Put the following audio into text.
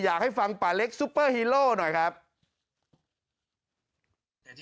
อยากให้ฟังป่าเล็กซุปเปอร์ฮีโร่หน่อยครับ